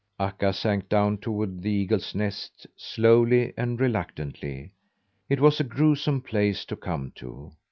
Akka sank down toward the eagles' nest, slowly and reluctantly. It was a gruesome place to come to!